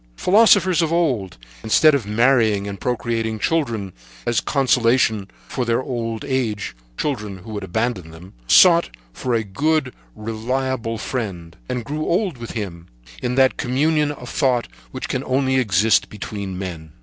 Philosophers of old, instead of marrying, and procreating as a consolation for their old age children, who would abandon them, sought for a good, reliable friend, and grew old with him in that communion of thought which can only exist between men.